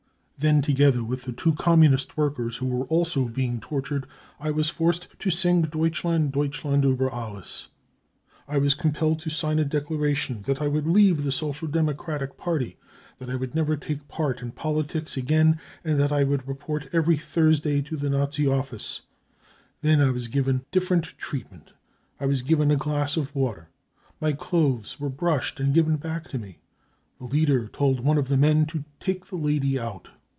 Then together with the two Communist workers, who were also being tortured, I was forced to sing Deutschland , Deutschland iiber AUes. iC I was compelled to sign a declaration that I would leave the Social Democratic Party, that I would never take part in politics again, and that I would report every Thursday to the Nazi office. Then I was^vgft different treatment. I was given a glass of water. My clothes were brushed and given back to me. The leader told one of the men to c take the lady out